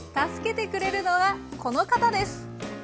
助けてくれるのはこの方です。